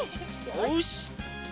よし！